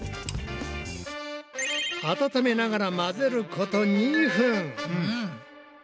温めながら混ぜること２分。